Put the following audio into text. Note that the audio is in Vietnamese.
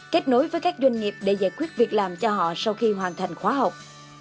kết nối với các doanh nghiệp để giải quyết việc làm cho họ sau khi hoàn thành khóa học